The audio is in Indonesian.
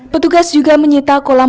petugas juga menyita kolam